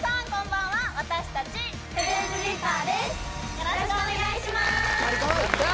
よろしくお願いします